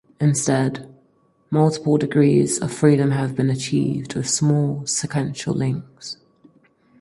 Instead, multiple degrees of freedom have been achieved with small sequential links.